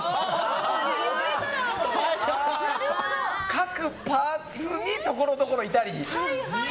各パーツにところどころいたり。